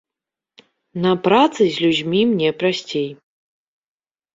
На працы з людзьмі мне прасцей.